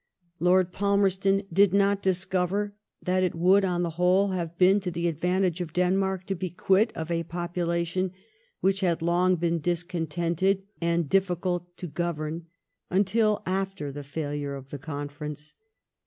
Lord Palmerston did not dis cover that it would, on the whole, have been to the advantage of Denmark to be quit of a population which had long been discontented and difficult to govern, until after the failure of the Conference.